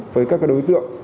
với các đối tượng